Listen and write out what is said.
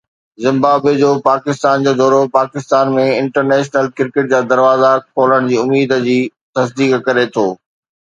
Zimbabwe جو پاڪستان جو دورو پاڪستان ۾ انٽرنيشنل ڪرڪيٽ جا دروازا کولڻ جي اميد جي تصديق ڪري ٿو